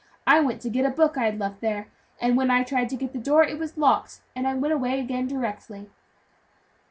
I went to get a book I had left in there, and when I tried the door it was locked, and I went away again directly."